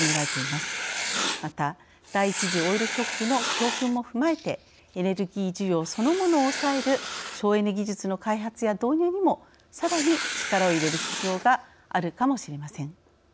また、第一次オイルショックの教訓も踏まえてエネルギー需要そのものを抑える省エネ技術の開発や導入にもさらに力を入れる必要があるかもしれません。